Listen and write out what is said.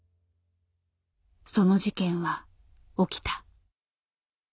その事件は起きた。